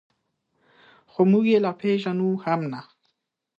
خو موږ یې لا پېژنو هم نه.